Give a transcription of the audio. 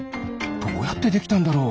どうやってできたんだろう？